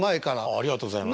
ありがとうございます。